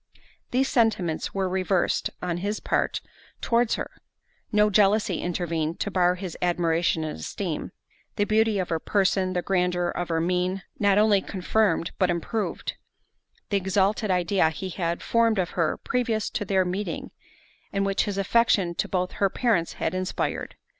These sentiments were reversed on his part towards her—no jealousy intervened to bar his admiration and esteem—the beauty of her person, and grandeur of her mien, not only confirmed, but improved, the exalted idea he had formed of her previous to their meeting, and which his affection to both her parents had inspired.